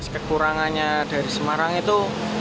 kekurangannya dari semarang itu